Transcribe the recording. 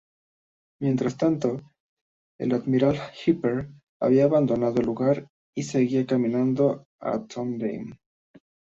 Mientras tanto, el "Admiral Hipper" había abandonado el lugar y seguido camino a Trondheim.